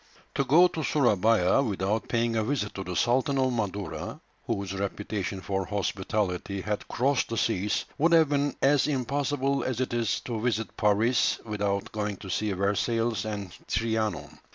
To go to Surabaya without paying a visit to the Sultan of Madura, whose reputation for hospitality had crossed the seas, would have been as impossible as it is to visit Paris without going to see Versailles and Trianon.